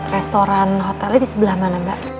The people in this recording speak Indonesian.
restoran hotelnya di sebelah mana mbak